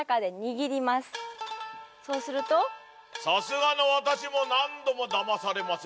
さすがの私も何度もだまされませぬ。